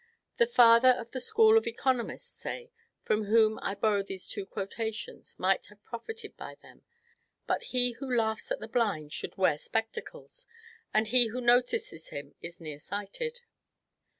The father of the school of economists (Say), from whom I borrow these two quotations, might have profited by them; but he who laughs at the blind should wear spectacles, and he who notices him is near sighted.